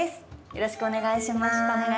よろしくお願いします。